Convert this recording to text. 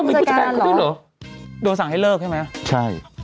เอ๊ะผู้จัดการเหรอโดนสั่งให้เลิกใช่ไหมใช่โดนสั่งเหรอ